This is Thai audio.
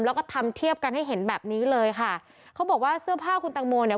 แล้วก็ทำเทียบกันให้เห็นแบบนี้เลยค่ะเขาบอกว่าเสื้อผ้าคุณตังโมเนี่ย